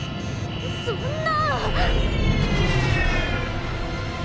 そんな。